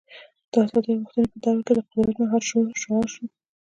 د ازادۍ غوښتنې په دور کې د قدرت مهار شعار شو.